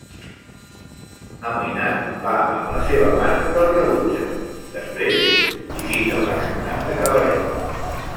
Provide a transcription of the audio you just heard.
Amoïnat, va amb la seva mare que el rebutja, després visita una cantant de cabaret.